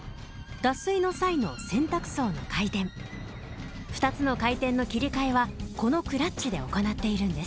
脱水の際の洗濯槽の回転２つの回転の切り替えはこのクラッチで行っているんです。